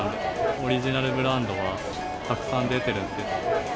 オリジナルブランドがたくさん出てるって。